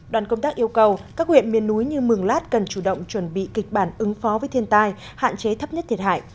đoàn công tác yêu cầu các huyện miền núi như mường lát cần chủ động chuẩn bị kịch bản ứng phó với thiên tai hạn chế thấp nhất thiệt hại